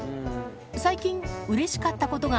最近、うれしかったことが。